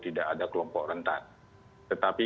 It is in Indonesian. tidak ada kelompok rentan tetapi